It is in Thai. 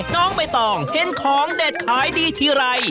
น้องใบตองเห็นของเด็ดขายดีทีไร